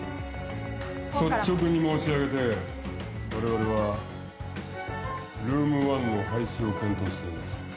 率直に申し上げて我々はルーム１の廃止を検討しています。